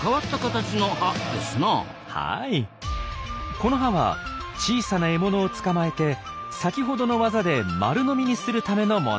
この歯は小さな獲物を捕まえて先ほどの技で丸飲みにするためのもの。